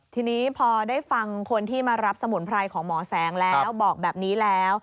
ทีนี้พอได้ฟังคนที่มารับสมุนไพรของหมอแสงแล้วบอกแบบนี้แล้ว